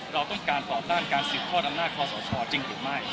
เราต้องการตอบกล้างสื่อท่อออำนาจของพศจริงหรือไม่